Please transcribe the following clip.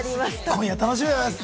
今夜、楽しみです。